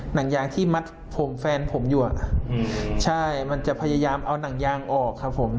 หนังยางที่มัดผมแฟนผมอยู่อ่ะใช่มันจะพยายามเอาหนังยางออกครับผม